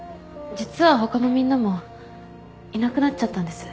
実は他のみんなもいなくなっちゃったんです。